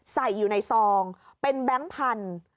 ใส่อยู่ในซองเป็นแบงค์พันธุ์